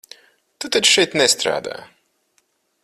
Tu taču šeit nestrādā?